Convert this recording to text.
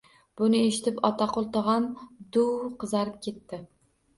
Buni eshitib, Otaqul tog‘am duv qizarib ketdi.